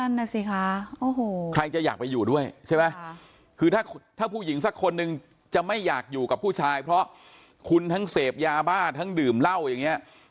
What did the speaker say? นั่นน่ะสิคะโอ้โหใครจะอยากไปอยู่ด้วยใช่ไหมคือถ้าผู้หญิงสักคนนึงจะไม่อยากอยู่กับผู้ชายเพราะคุณทั้งเสพยาบ้าทั้งดื่มเหล้าอย่างเงี้ย